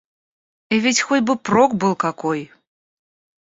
И ведь хоть бы прок был какой!